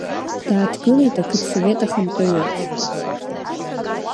Дааҭгылеит ақыҭсовет ахантәаҩы.